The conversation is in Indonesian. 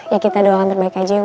ya kita doakan terbaik aja ya umi